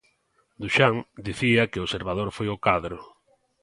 Duchamp dicía que o observador fai o cadro.